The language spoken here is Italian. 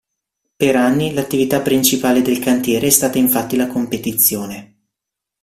Per anni l'attività principale del cantiere è stata infatti la competizione.